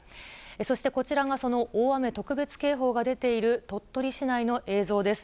そしてこちらがその大雨特別警報が出ている鳥取市内の映像です。